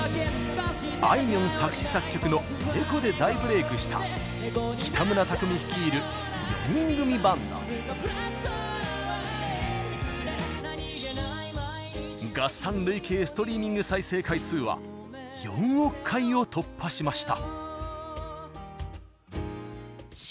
あいみょん作詞作曲の「猫」で大ブレイクした合算累計ストリーミング再生回数は４億回を突破しました。